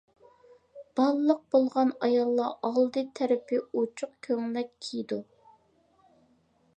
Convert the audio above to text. بالىلىق بولغان ئاياللار ئالدى تەرىپى ئوچۇق كۆڭلەك كىيىدۇ.